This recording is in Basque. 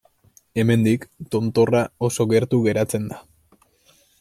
Hemendik, tontorra oso gertu geratzen da.